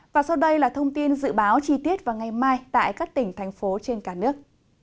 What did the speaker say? và sau đây là thông tin dự báo chi tiết vào ngày mai tại các tỉnh thành phố trên cả nước